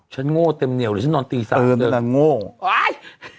ฉันโง่เต็มเหนียวหรือฉันนอนตีสามเดี๋ยวเออมันก็คือโง่อ้าย